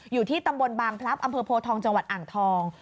อยู่ที่ตำบลบางพลับอำเภอโพทองจังหวัดอ่างทอง